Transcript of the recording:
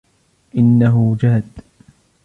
انه جاد.